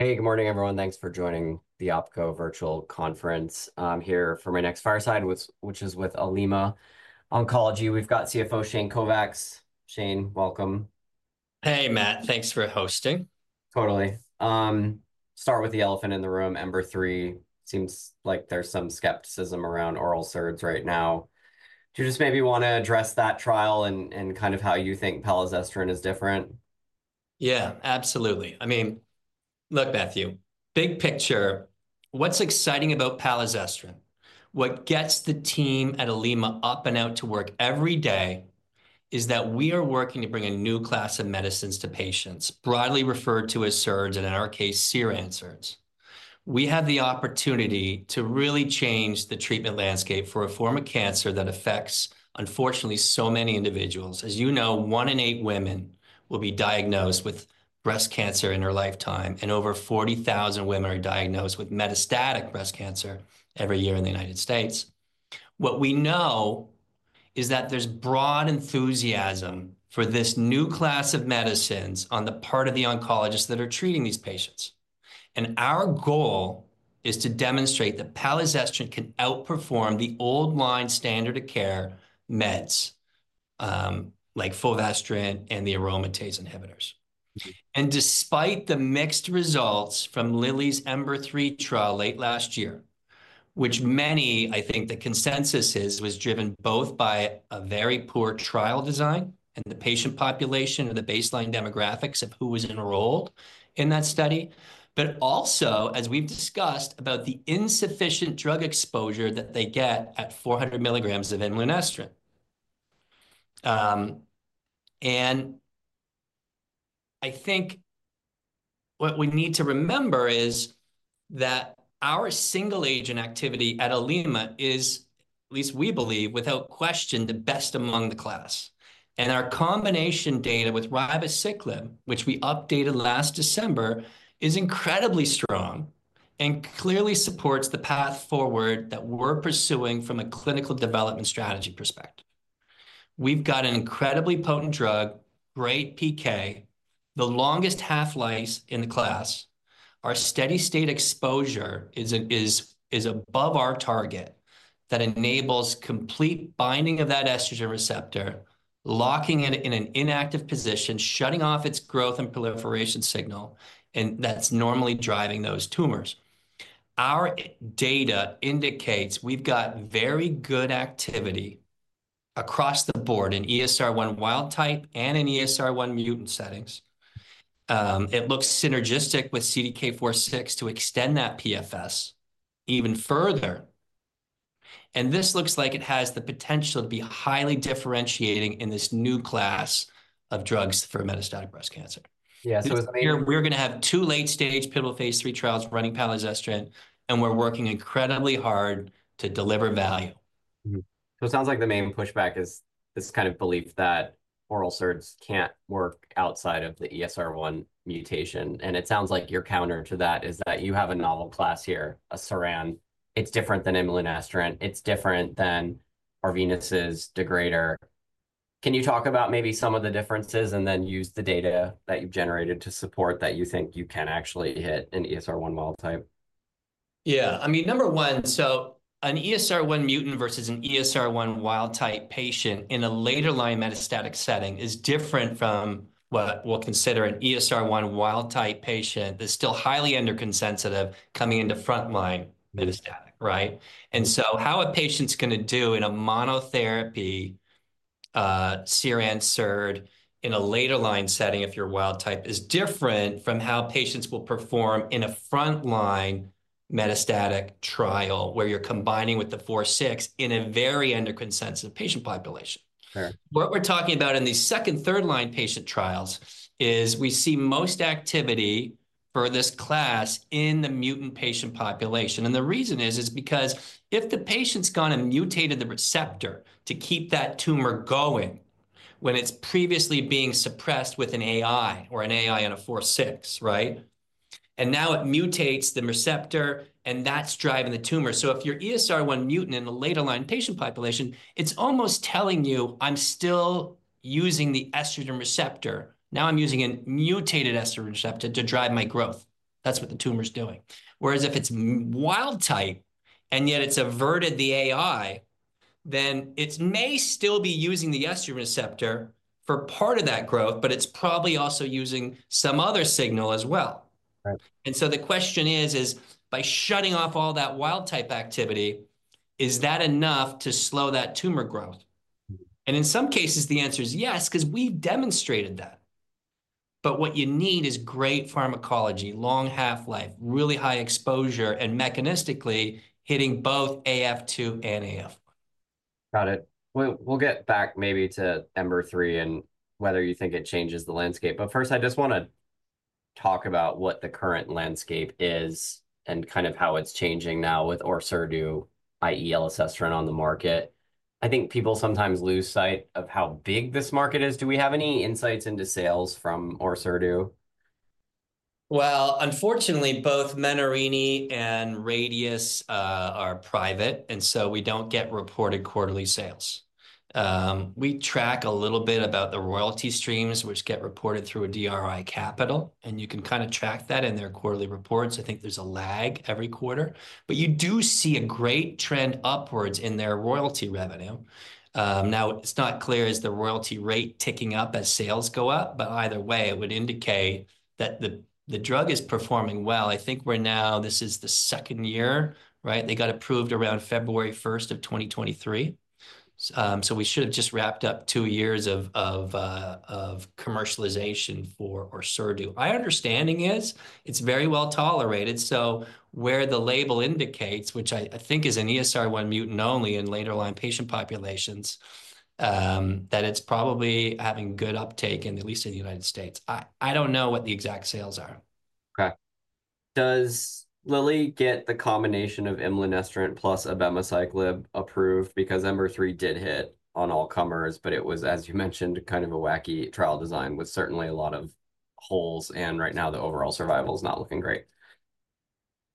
Hey, good morning, everyone. Thanks for joining the OpCo virtual conference. I'm here for my next fireside, which is with Olema Oncology. We've got CFO Shane Kovacs. Shane, welcome. Hey, Matt. Thanks for hosting. Totally. Start with the elephant in the room. EMBER-3 seems like there's some skepticism around oral SERDs right now. Do you just maybe want to address that trial and kind of how you think palazestrant is different? Yeah, absolutely. I mean, look, Matthew, big picture, what's exciting about palazestrant, what gets the team at Olema up and out to work every day, is that we are working to bring a new class of medicines to patients, broadly referred to as SERDs, and in our case, CERAN SERDs. We have the opportunity to really change the treatment landscape for a form of cancer that affects, unfortunately, so many individuals. As you know, one in eight women will be diagnosed with breast cancer in her lifetime, and over 40,000 women are diagnosed with metastatic breast cancer every year in the United States. What we know is that there's broad enthusiasm for this new class of medicines on the part of the oncologists that are treating these patients. And our goal is to demonstrate that palazestrant can outperform the old line standard of care meds, like fulvestrant and the aromatase inhibitors. And despite the mixed results from Lilly's EMBER-3 trial late last year, which many, I think the consensus is, was driven both by a very poor trial design and the patient population and the baseline demographics of who was enrolled in that study, but also, as we've discussed, about the insufficient drug exposure that they get at 400 mg of imlunestrant. And I think what we need to remember is that our single agent activity at Olema is, at least we believe, without question, the best among the class. And our combination data with ribociclib, which we updated last December, is incredibly strong and clearly supports the path forward that we're pursuing from a clinical development strategy perspective. We've got an incredibly potent drug, great PK, the longest half-life in the class. Our steady state exposure is above our target that enables complete binding of that estrogen receptor, locking it in an inactive position, shutting off its growth and proliferation signal, and that's normally driving those tumors. Our data indicates we've got very good activity across the board in ESR1 wild type and in ESR1 mutant settings. It looks synergistic with CDK4/6 to extend that PFS even further. And this looks like it has the potential to be highly differentiating in this new class of drugs for metastatic breast cancer. Yeah, so it's amazing. We're going to have two late-stage pivotal phase III trials running palazestrant, and we're working incredibly hard to deliver value. So it sounds like the main pushback is this kind of belief that oral SERDs can't work outside of the ESR1 mutation. And it sounds like your counter to that is that you have a novel class here, a CERAN. It's different than elacestrant. It's different than Arvinas's degrader. Can you talk about maybe some of the differences and then use the data that you've generated to support that you think you can actually hit an ESR1 wild type? Yeah, I mean, number one, so an ESR1 mutant versus an ESR1 wild type patient in a later line metastatic setting is different from what we'll consider an ESR1 wild type patient that's still highly endocrine sensitive coming into frontline metastatic, right? And so how a patient's going to do in a monotherapy SERD in a later line setting if you're wild type is different from how patients will perform in a frontline metastatic trial where you're combining with the 4/6 in a very endocrine sensitive patient population. What we're talking about in these second, third line patient trials is we see most activity for this class in the mutant patient population. And the reason is because if the patient's gone and mutated the receptor to keep that tumor going when it's previously being suppressed with an AI or an AI and a 4/6, right? And now it mutates the receptor, and that's driving the tumor. So if you're ESR1 mutant in the later line patient population, it's almost telling you, I'm still using the estrogen receptor. Now I'm using a mutated estrogen receptor to drive my growth. That's what the tumor's doing. Whereas if it's wild type, and yet it's averted the AI, then it may still be using the estrogen receptor for part of that growth, but it's probably also using some other signal as well. And so the question is, is by shutting off all that wild type activity, is that enough to slow that tumor growth? And in some cases, the answer is yes, because we've demonstrated that. But what you need is great pharmacology, long half-life, really high exposure, and mechanistically hitting both AF2 and AF1. Got it. We'll get back maybe to EMBER-3 and whether you think it changes the landscape. But first, I just want to talk about what the current landscape is and kind of how it's changing now with Orserdu, i.e., elacestrant on the market. I think people sometimes lose sight of how big this market is. Do we have any insights into sales from Orserdu? Unfortunately, both Menarini and Radius are private, and so we don't get reported quarterly sales. We track a little bit about the royalty streams, which get reported through DRI Capital, and you can kind of track that in their quarterly reports. I think there's a lag every quarter, but you do see a great trend upwards in their royalty revenue. Now, it's not clear if the royalty rate is ticking up as sales go up, but either way, it would indicate that the drug is performing well. I think we're now, this is the second year, right? They got approved around February 1st of 2023. So we should have just wrapped up two years of commercialization for Orserdu. Our understanding is it's very well tolerated. So where the label indicates, which I think is an ESR1 mutant only in later line patient populations, that it's probably having good uptake, and at least in the United States. I don't know what the exact sales are. Okay. Does Lilly get the combination of imlunestrant plus abemaciclib approved? Because EMBER-3 did hit on all comers, but it was, as you mentioned, kind of a wacky trial design with certainly a lot of holes, and right now the overall survival is not looking great.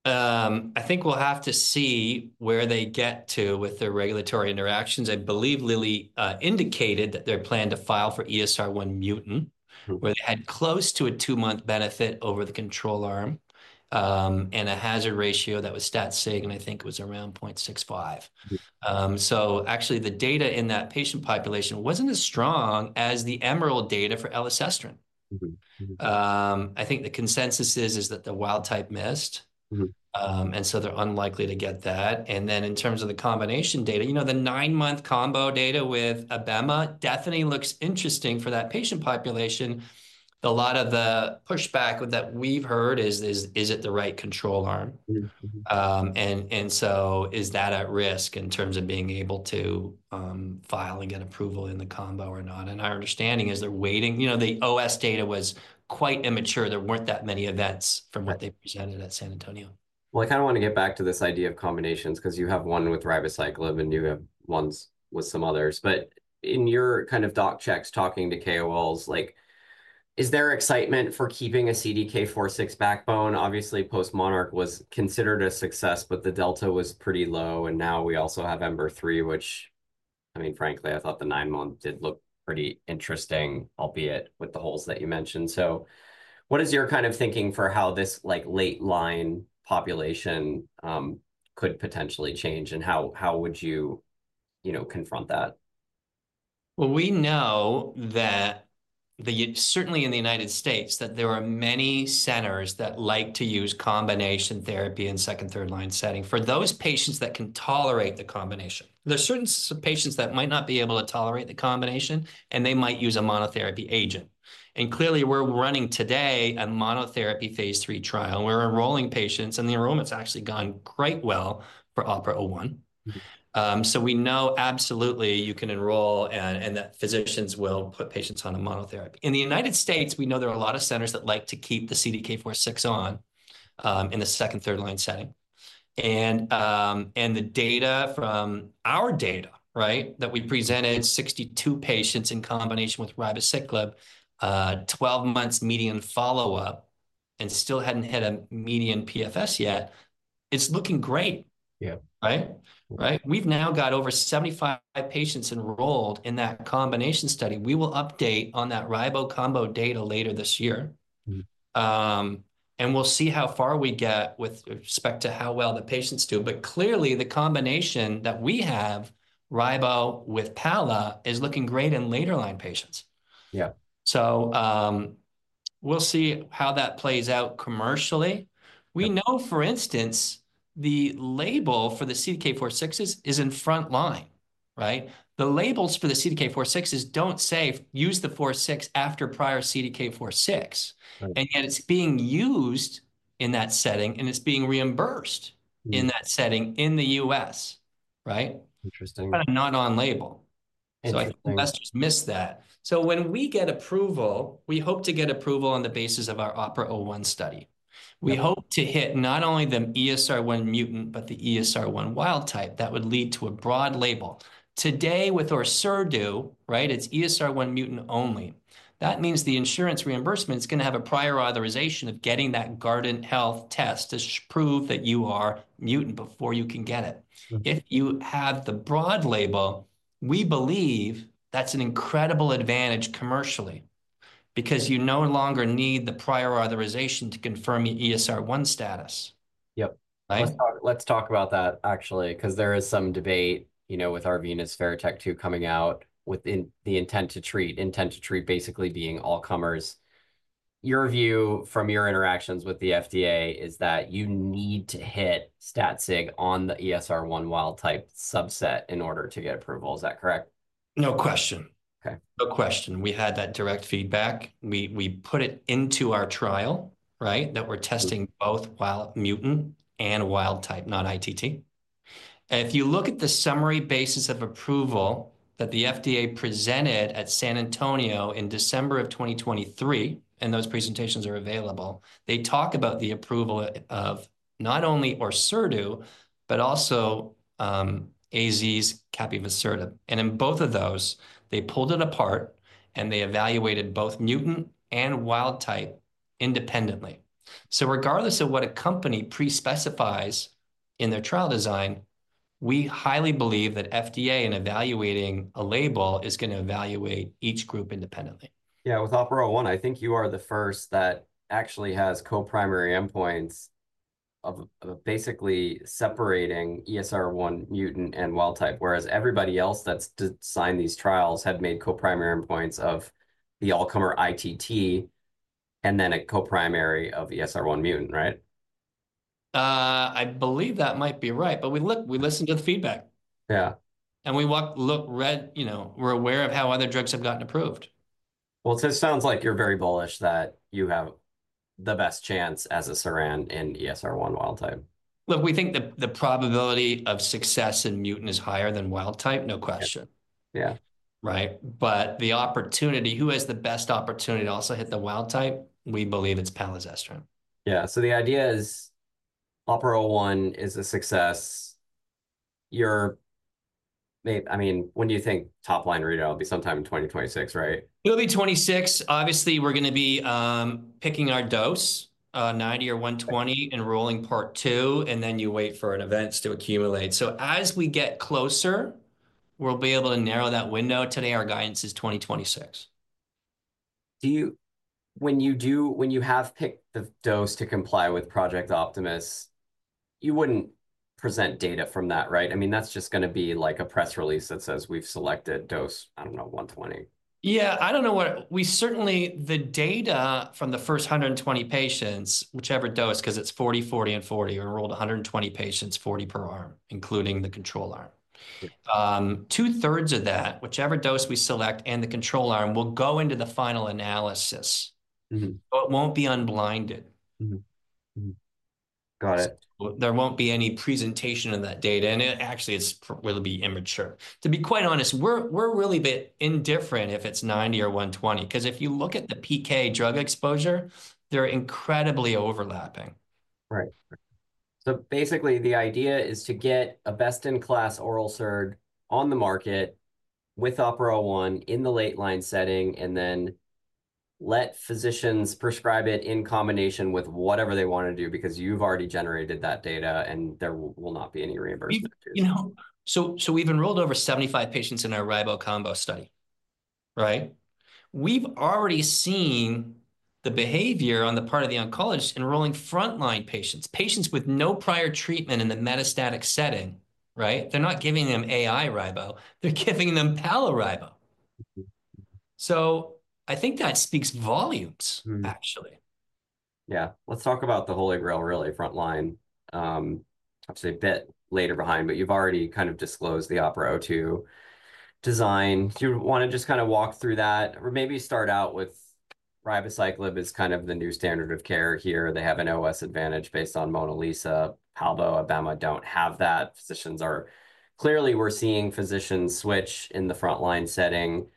I think we'll have to see where they get to with their regulatory interactions. I believe Lilly indicated that their plan to file for ESR1 mutant, where they had close to a two-month benefit over the control arm and a hazard ratio that was stat-sig, and I think it was around 0.65. So actually, the data in that patient population wasn't as strong as the EMERALD data for PFS trend. I think the consensus is that the wild type missed, and so they're unlikely to get that. And then in terms of the combination data, you know the nine-month combo data with abema, definitely looks interesting for that patient population. A lot of the pushback that we've heard is, is it the right control arm? And so is that at risk in terms of being able to file and get approval in the combo or not? Our understanding is they're waiting. You know, the OS data was quite immature. There weren't that many events from what they presented at San Antonio. I kind of want to get back to this idea of combinations because you have one with ribociclib and you have ones with some others. But in your kind of doc checks, talking to KOLs, is there excitement for keeping a CDK4/6 backbone? Obviously, postMONARCH was considered a success, but the delta was pretty low. And now we also have EMBER-3, which, I mean, frankly, I thought the nine-month did look pretty interesting, albeit with the holes that you mentioned. So what is your kind of thinking for how this late line population could potentially change, and how would you confront that? We know that certainly in the United States, that there are many centers that like to use combination therapy in second, third line setting for those patients that can tolerate the combination. There are certain patients that might not be able to tolerate the combination, and they might use a monotherapy agent. Clearly, we're running today a monotherapy phase III trial. We're enrolling patients, and the enrollment's actually gone quite well for OPERA-01. So we know absolutely you can enroll, and that physicians will put patients on a monotherapy. In the United States, we know there are a lot of centers that like to keep the CDK4/6 on in the second, third line setting. The data from our data, right, that we presented 62 patients in combination with ribociclib, 12 months median follow-up, and still hadn't hit a median PFS yet. It's looking great. Yeah. Right? We've now got over 75 patients enrolled in that combination study. We will update on that ribo combo data later this year. And we'll see how far we get with respect to how well the patients do. But clearly, the combination that we have, ribo with pala, is looking great in later line patients. Yeah. So we'll see how that plays out commercially. We know, for instance, the label for the CDK4/6 is in front line, right? The labels for the CDK4/6 don't say, use the 4/6 after prior CDK4/6. And yet it's being used in that setting, and it's being reimbursed in that setting in the U.S., right? Interesting. Not on label. So I think investors miss that. So when we get approval, we hope to get approval on the basis of our OPERA-01 study. We hope to hit not only the ESR1 mutant, but the ESR1 wild type that would lead to a broad label. Today, with Orserdu, right, it's ESR1 mutant only. That means the insurance reimbursement is going to have a prior authorization of getting that Guardant Health test to prove that you are mutant before you can get it. If you have the broad label, we believe that's an incredible advantage commercially because you no longer need the prior authorization to confirm your ESR1 status. Yep. Let's talk about that, actually, because there is some debate with Arvinas' VERITAC-2 coming out with the intent-to-treat, intent-to-treat basically being all comers. Your view from your interactions with the FDA is that you need to hit stat-sig on the ESR1 wild type subset in order to get approval. Is that correct? No question. Okay. No question. We had that direct feedback. We put it into our trial, right, that we're testing both wild mutant and wild type, not ITT. And if you look at the summary basis of approval that the FDA presented at San Antonio in December of 2023, and those presentations are available, they talk about the approval of not only Orserdu, but also AZ's capivasertib. And in both of those, they pulled it apart and they evaluated both mutant and wild type independently. So regardless of what a company pre-specifies in their trial design, we highly believe that FDA in evaluating a label is going to evaluate each group independently. Yeah, with OPERA-01, I think you are the first that actually has co-primary endpoints of basically separating ESR1 mutant and wild type, whereas everybody else that's designed these trials had made co-primary endpoints of the all-comer ITT and then a co-primary of ESR1 mutant, right? I believe that might be right, but we listen to the feedback. Yeah. We look forward, you know, we're aware of how other drugs have gotten approved. It sounds like you're very bullish that you have the best chance as a SERD in ESR1 wild type. Look, we think the probability of success in mutant is higher than wild type, no question. Yeah. Right? But the opportunity, who has the best opportunity to also hit the wild type? We believe it's palazestrant. Yeah, so the idea is OPERA-01 is a success. I mean, when do you think top line readout will be? Sometime in 2026, right? It'll be 2026. Obviously, we're going to be picking our dose, 90 or 120, enrolling part two, and then you wait for events to accumulate. So as we get closer, we'll be able to narrow that window. Today, our guidance is 2026. When you have picked the dose to comply with Project Optimus, you wouldn't present data from that, right? I mean, that's just going to be like a press release that says we've selected dose, I don't know, 120. Yeah, I don't know. The data from the first 120 patients, whichever dose, because it's 40, 40, and 40. We enrolled 120 patients, 40 per arm, including the control arm. Two-thirds of that, whichever dose we select and the control arm, will go into the final analysis, so it won't be unblinded. Got it. There won't be any presentation of that data, and it actually will be immature. To be quite honest, we're really a bit indifferent if it's 90 or 120, because if you look at the PK drug exposure, they're incredibly overlapping. Right. So basically, the idea is to get a best-in-class oral SERD on the market with OPERA-01 in the late line setting and then let physicians prescribe it in combination with whatever they want to do because you've already generated that data and there will not be any reimbursement. You know, so we've enrolled over 75 patients in our ribo combo study, right? We've already seen the behavior on the part of the oncologists enrolling frontline patients, patients with no prior treatment in the metastatic setting, right? They're not giving them AI ribo. They're giving them pala ribo. So I think that speaks volumes, actually. Yeah. Let's talk about the Holy Grail, really, front line. I'll say a bit later behind, but you've already kind of disclosed the OPERA-02 design. Do you want to just kind of walk through that? Or maybe start out with ribociclib as kind of the new standard of care here. They have an OS advantage based on MONALEESA. Pala, abema don't have that. Clearly, we're seeing physicians switch in the front line setting.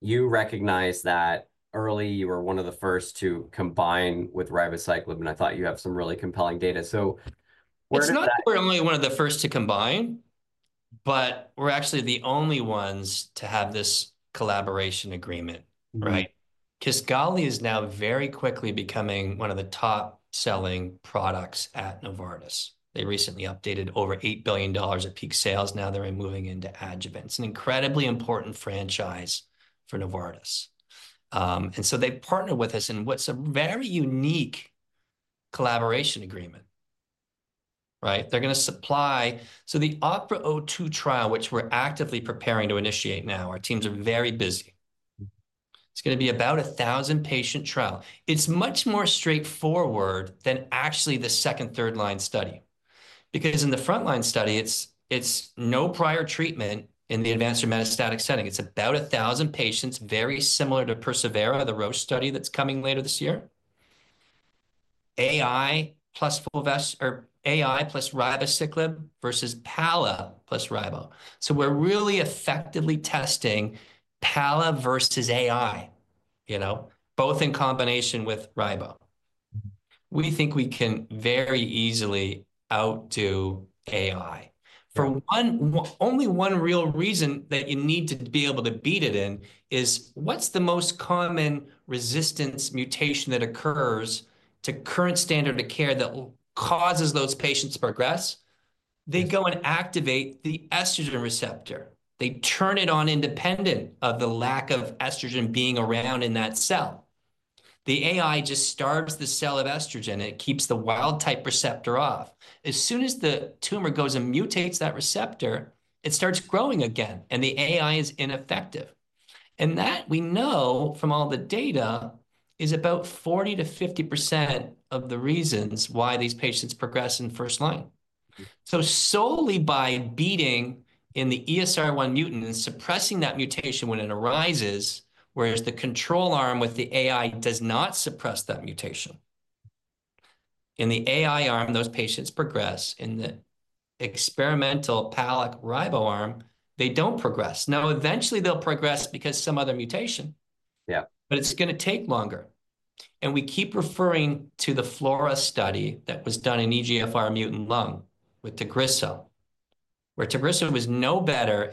You recognize that early. You were one of the first to combine with ribociclib, and I thought you have some really compelling data. So. It's not that we're only one of the first to combine, but we're actually the only ones to have this collaboration agreement, right? Kisqali is now very quickly becoming one of the top-selling products at Novartis. They recently updated over $8 billion at peak sales. Now they're moving into adjuvant. It's an incredibly important franchise for Novartis. And so they partner with us in what's a very unique collaboration agreement, right? They're going to supply. So the OPERA-02 trial, which we're actively preparing to initiate now, our teams are very busy. It's going to be about a thousand patient trial. It's much more straightforward than actually the second, third line study. Because in the front line study, it's no prior treatment in the advanced or metastatic setting. It's about a thousand patients, very similar to persevERA, the Roche study that's coming later this year. AI plus ribociclib versus pala plus ribo. So we're really effectively testing pala versus AI, you know, both in combination with ribo. We think we can very easily outdo AI. For only one real reason that you need to be able to beat it in is what's the most common resistance mutation that occurs to current standard of care that causes those patients to progress? They go and activate the estrogen receptor. They turn it on independent of the lack of estrogen being around in that cell. The AI just starves the cell of estrogen. It keeps the wild type receptor off. As soon as the tumor goes and mutates that receptor, it starts growing again, and the AI is ineffective. And that, we know from all the data, is about 40%-50% of the reasons why these patients progress in first line. Solely by beating the ESR1 mutant and suppressing that mutation when it arises, whereas the control arm with the AI does not suppress that mutation. In the AI arm, those patients progress. In the experimental pala ribo arm, they don't progress. Now, eventually, they'll progress because of some other mutation. Yeah. But it's going to take longer. And we keep referring to the FLAURA study that was done in EGFR mutant lung with Tagrisso, where Tagrisso was no better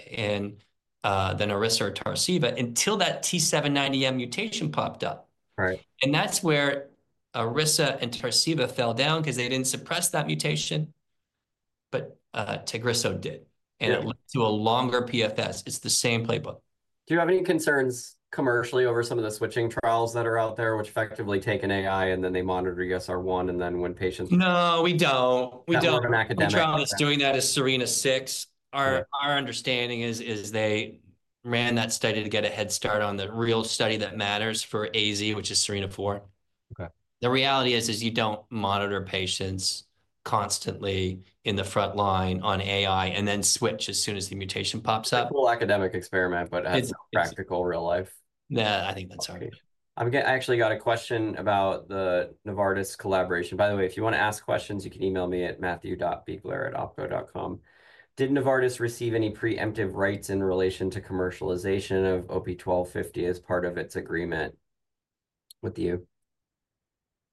than Iressa or Tarceva until that T790M mutation popped up. Right. And that's where Iressa and Tarceva fell down because they didn't suppress that mutation, but Tagrisso did. And it led to a longer PFS. It's the same playbook. Do you have any concerns commercially over some of the switching trials that are out there, which effectively take an AI and then they monitor ESR1, and then when patients? No, we don't. We don't. An academic trial. The trial that's doing that is SERENA-6. Our understanding is they ran that study to get a head start on the real study that matters for AZ, which is SERENA-4. Okay. The reality is you don't monitor patients constantly in the front line on AI and then switch as soon as the mutation pops up. It's a little academic experiment, but it's practical real life. Yeah, I think that's hard. I actually got a question about the Novartis collaboration. By the way, if you want to ask questions, you can email me at matthew.biegler@opco.com. Did Novartis receive any preemptive rights in relation to commercialization of OP-1250 as part of its agreement with you?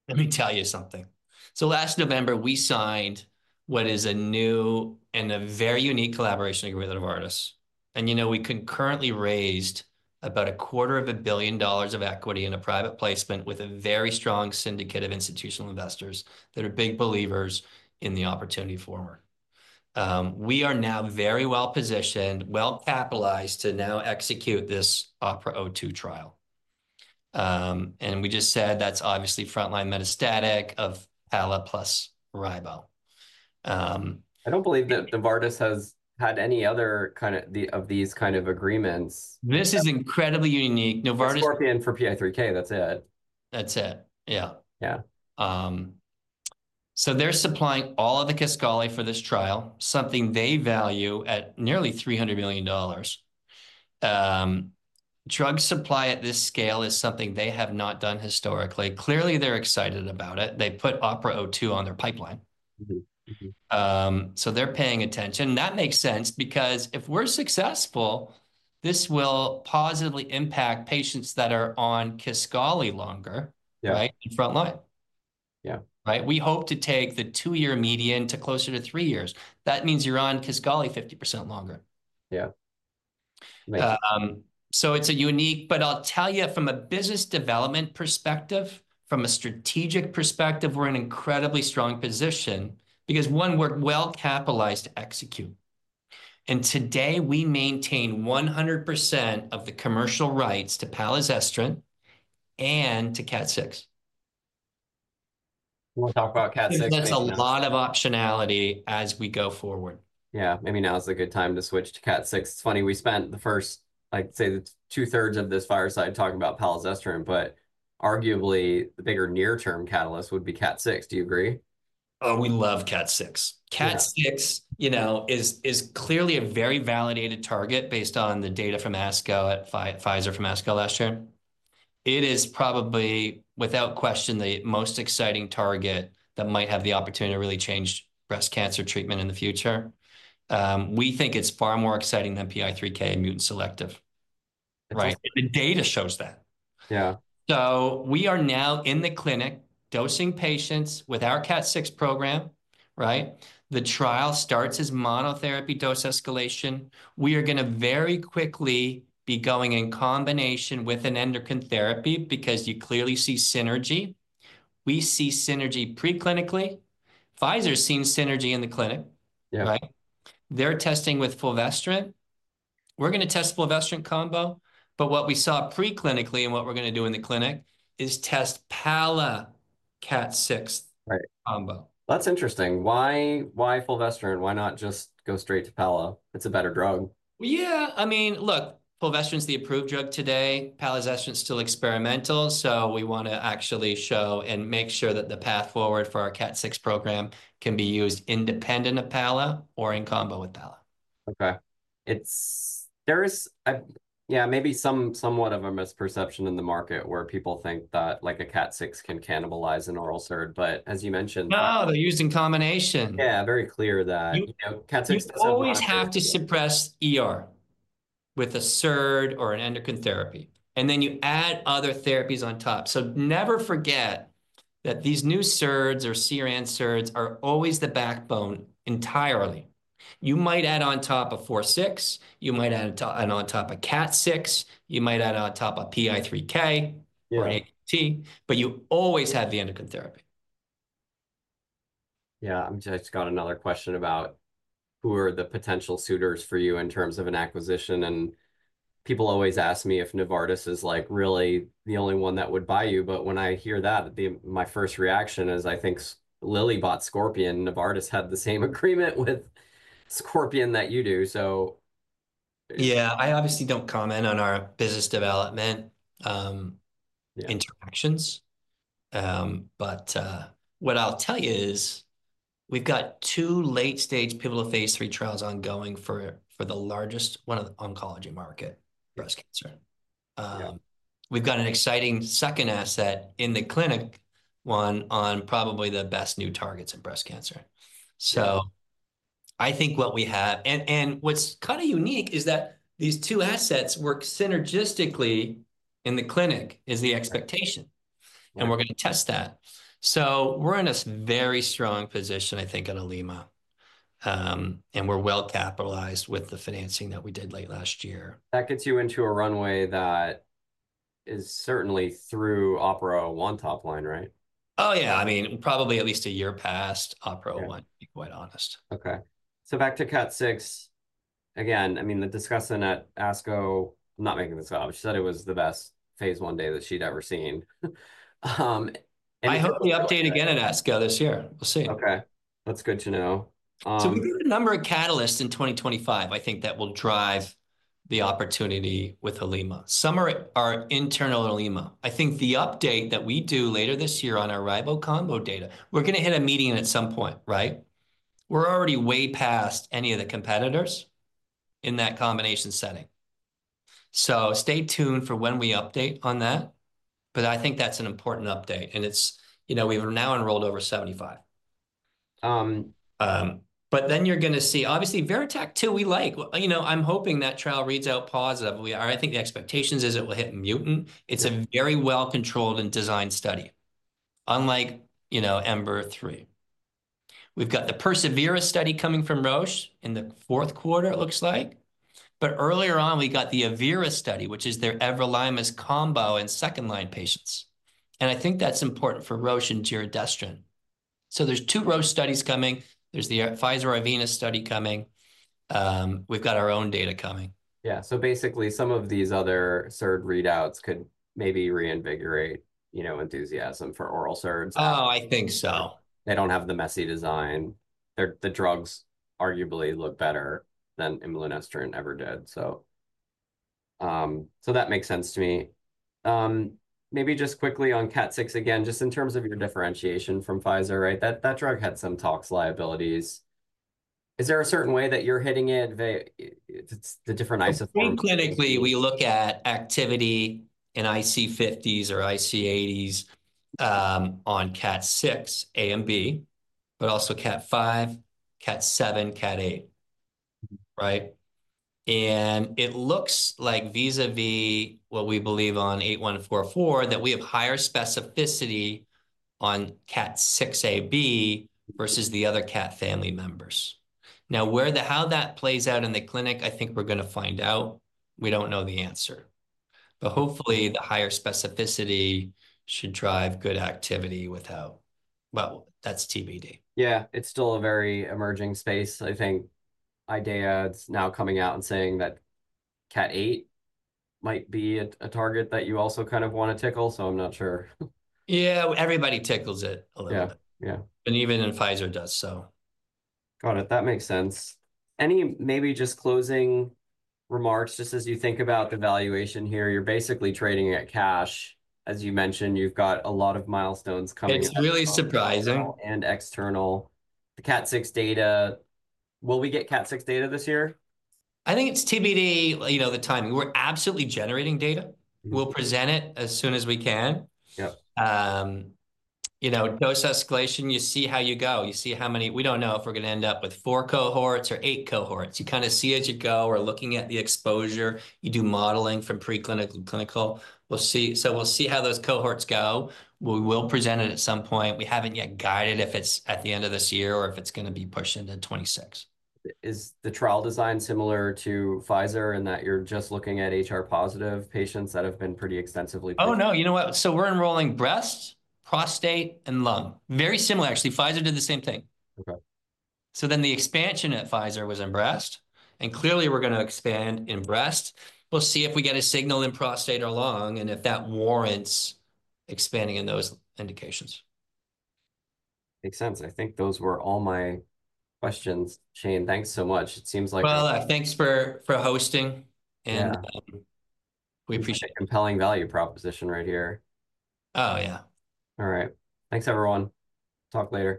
Let me tell you something. Last November, we signed what is a new and a very unique collaboration agreement with Novartis. You know, we concurrently raised $250 million of equity in a private placement with a very strong syndicate of institutional investors that are big believers in the opportunity for more. We are now very well positioned, well capitalized to now execute this OPERA-02 trial. We just said that's obviously frontline metastatic of palazestrant plus ribociclib. I don't believe that Novartis has had any other kind of these kind of agreements. This is incredibly unique. Novartis. It's working for PI3K. That's it. That's it. Yeah. Yeah. So they're supplying all of the Kisqali for this trial, something they value at nearly $300 million. Drug supply at this scale is something they have not done historically. Clearly, they're excited about it. They put OPERA-02 on their pipeline. So they're paying attention. And that makes sense because if we're successful, this will positively impact patients that are on Kisqali longer, right, in front line. Yeah. Right? We hope to take the two-year median to closer to three years. That means you're on Kisqali 50% longer. Yeah. It's a unique, but I'll tell you from a business development perspective, from a strategic perspective, we're in an incredibly strong position because, one, we're well capitalized to execute. And today, we maintain 100% of the commercial rights to palazestrant and to KAT6. We'll talk about KAT6. I think that's a lot of optionality as we go forward. Yeah. Maybe now is a good time to switch to KAT6. It's funny, we spent the first, I'd say, two-thirds of this fireside talking about palazestrant, but arguably the bigger near-term catalyst would be KAT6. Do you agree? We love KAT6. KAT6, you know, is clearly a very validated target based on the data from ASCO at Pfizer from ASCO last year. It is probably, without question, the most exciting target that might have the opportunity to really change breast cancer treatment in the future. We think it's far more exciting than PI3K and mutant selective. Right. The data shows that. Yeah. So we are now in the clinic dosing patients with our KAT6 program, right? The trial starts as monotherapy dose escalation. We are going to very quickly be going in combination with an endocrine therapy because you clearly see synergy. We see synergy preclinically. Pfizer has seen synergy in the clinic, right? They're testing with fulvestrant. We're going to test fulvestrant combo, but what we saw preclinically and what we're going to do in the clinic is test palazestrant KAT6 combo. That's interesting. Why fulvestrant? Why not just go straight to pala? It's a better drug. Yeah. I mean, look, fulvestrant is the approved drug today. Palazestrant is still experimental, so we want to actually show and make sure that the path forward for our KAT6 program can be used independent of pala or in combo with pala. Okay. There's yeah, maybe somewhat of a misperception in the market where people think that like a KAT6 can cannibalize an oral SERD, but as you mentioned. No, they're used in combination. Yeah, very clear that. You always have to suppress with a SERD or an endocrine therapy. And then you add other therapies on top. So never forget that these new SERDs or CERAN SERDs are always the backbone entirely. You might add on top a CDK4/6. You might add on top a KAT6. You might add on top a PI3K or AKT, but you always have the endocrine therapy. Yeah. I just got another question about who are the potential suitors for you in terms of an acquisition. And people always ask me if Novartis is like really the only one that would buy you, but when I hear that, my first reaction is I think Lilly bought Scorpion. Novartis had the same agreement with Scorpion that you do, so. Yeah, I obviously don't comment on our business development interactions. But what I'll tell you is we've got two late-stage pivotal phase III trials ongoing for the largest one of the oncology market, breast cancer. We've got an exciting second asset in the clinic, one on probably the best new targets in breast cancer. So I think what we have, and what's kind of unique is that these two assets work synergistically in the clinic is the expectation. And we're going to test that. So we're in a very strong position, I think, at Olema. And we're well capitalized with the financing that we did late last year. That gets you into a runway that is certainly through OPERA-01 top line, right? Oh, yeah. I mean, probably at least a year past OPERA-01, to be quite honest. Okay. So back to KAT6. Again, I mean, the discussion at ASCO, I'm not making this up. She said it was the best phase I data that she'd ever seen. I hope we update again at ASCO this year. We'll see. Okay. That's good to know. So we've got a number of catalysts in 2025, I think, that will drive the opportunity with Olema. Some are internal Olema. I think the update that we do later this year on our ribo combo data, we're going to hit a median at some point, right? We're already way past any of the competitors in that combination setting. So stay tuned for when we update on that. But I think that's an important update. And it's, you know, we've now enrolled over 75. But then you're going to see, obviously, VERITAC-2 we like. You know, I'm hoping that trial reads out positively. I think the expectation is it will hit mutant. It's a very well-controlled and designed study, unlike, you know, EMBER-3. We've got the perSEVERA study coming from Roche in the fourth quarter, it looks like. But earlier on, we got the evERA study, which is their everolimus combo in second-line patients. And I think that's important for Roche and giredestrant. So there's two Roche studies coming. There's the Pfizer-Arvinas study coming. We've got our own data coming. Yeah. So basically, some of these other SERD readouts could maybe reinvigorate, you know, enthusiasm for oral SERDs. Oh, I think so. They don't have the messy design. The drugs arguably look better than imlunestrant and Verzenio, so that makes sense to me. Maybe just quickly on KAT6 again, just in terms of your differentiation from Pfizer, right? That drug had some tox liabilities. Is there a certain way that you're hitting it? The different isoforms. Preclinically, we look at activity in IC50s or IC80s on KAT6A and B, but also KAT5, KAT7, KAT8, right? It looks like vis-à-vis what we believe on 8144 that we have higher specificity on KAT6AB versus the other KAT family members. Now, how that plays out in the clinic, I think we're going to find out. We don't know the answer, but hopefully, the higher specificity should drive good activity without, well, that's TBD. Yeah. It's still a very emerging space. I think Ideaya is now coming out and saying that KAT6 might be a target that you also kind of want to tickle. So I'm not sure. Yeah. Everybody tickles it a little bit. Yeah. Yeah. And even if Pfizer does so. Got it. That makes sense. And maybe just closing remarks, just as you think about the valuation here, you're basically trading at cash. As you mentioned, you've got a lot of milestones coming up. It's really surprising. And external. The KAT6 data, will we get KAT6 data this year? I think it's TBD, you know, the timing. We're absolutely generating data. We'll present it as soon as we can. Yep. You know, dose escalation, you see how you go. You see how many, we don't know if we're going to end up with four cohorts or eight cohorts. You kind of see as you go. We're looking at the exposure. You do modeling from preclinical to clinical. We'll see. So we'll see how those cohorts go. We will present it at some point. We haven't yet guided if it's at the end of this year or if it's going to be pushed into 2026. Is the trial design similar to Pfizer in that you're just looking at HR-positive patients that have been pretty extensively? Oh, no. You know what? So we're enrolling breast, prostate, and lung. Very similar, actually. Pfizer did the same thing. Okay. So then the expansion at Pfizer was in breast. And clearly, we're going to expand in breast. We'll see if we get a signal in prostate or lung and if that warrants expanding in those indications. Makes sense. I think those were all my questions. Shane, thanks so much. It seems like. Thanks for hosting. Yeah. We appreciate it. Compelling value proposition right here. Oh, yeah. All right. Thanks, everyone. Talk later.